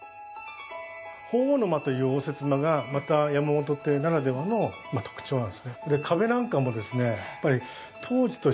鳳凰の間という応接間がまた山本亭ならではの特徴なんですね。